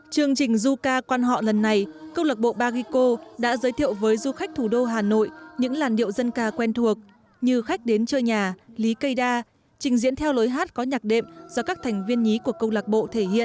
chương trình zuka quan họ lần này câu lạc bộ bagico đã giới thiệu với du khách thủ đô hà nội những làn điệu dân ca quen thuộc như khách đến chơi nhà lý cây đa trình diễn theo lối hát có nhạc đệm do các thành viên nhí của câu lạc bộ thể hiện